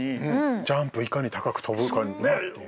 ジャンプいかに高く跳ぶかっていう。